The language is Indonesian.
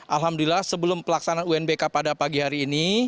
alhamdulillah sebelum pelaksanaan unbk pada pagi hari ini